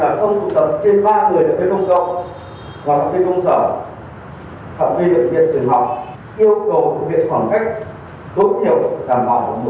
hai và không tụ tập trên ba người đặc biệt công cộng và đặc biệt công sở